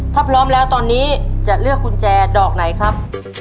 ถ้าพร้อมแล้วตอนนี้จะเลือกกุญแจดอกไหนครับ